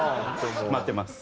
待ってます。